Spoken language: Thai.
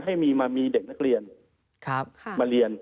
ให้มีเด็กนักเรียนมาเรียน